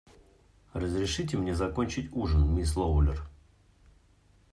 Разрешите мне закончить ужин, мисс Лоулер.